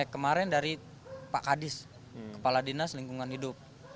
kemarin dari pak kadis kepala dinas lingkungan hidup